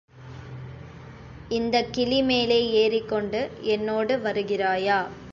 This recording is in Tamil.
இந்தக் கிளி மேலே ஏறிக்கொண்டு என்னோடு வருகிறாயா?